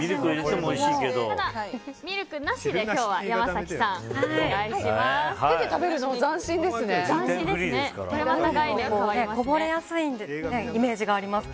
ただ、ミルクなしで今日は山崎さんお願いします。